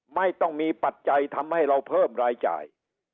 ไม่ต้องมีปัจจัยทำให้เราเพิ่มรายจ่าย